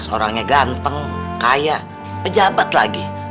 orangnya ganteng kaya pejabat lagi